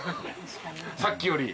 さっきより？